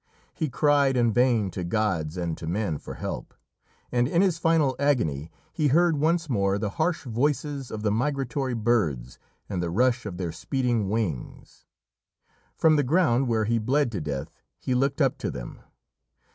He cried in vain to gods and to men for help, and in his final agony he heard once more the harsh voices of the migratory birds and the rush of their speeding wings. From the ground, where he bled to death, he looked up to them.